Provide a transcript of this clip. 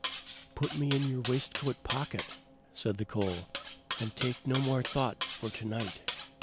"Put me in your waistcoat pocket," said the coal, "and take no more thought for to night."